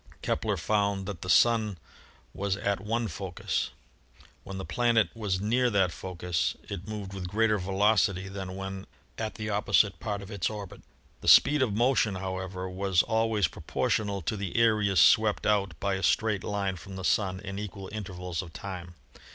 Kepler found that the Sun was 78 ASTRONOMY at one focus. When the planet was near that focus, it moved with greater velocity than when at the opposite part of its orbit. The speed of motion, however, was al ways proportional to the areas swept out by a straight line from the Sun in equal intervals of time.